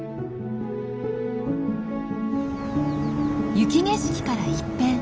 雪景色から一変。